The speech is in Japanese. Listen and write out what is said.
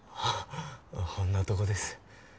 ほんなとこです